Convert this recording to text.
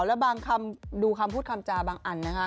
แล้วบางคำดูคำพูดคำจาบางอันนะคะ